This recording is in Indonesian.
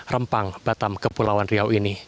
rempang batam kepulauan riau ini